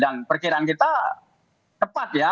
dan perkiraan kita tepat ya